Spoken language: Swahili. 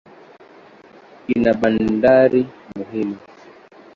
Ina bandari muhimu.